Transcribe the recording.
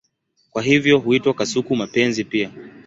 Kwa hivyo huitwa kasuku-mapenzi pia.